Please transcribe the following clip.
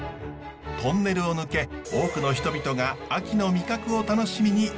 トンネルを抜け多くの人々が秋の味覚を楽しみにやって来ます。